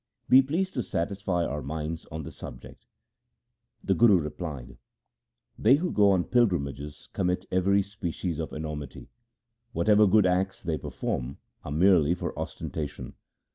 Be pleased to satisfy our minds on this subject.' The Guru replied :' They who go on pilgrimages commit every species of enormity. Whatever good acts they per form are merely for ostentation.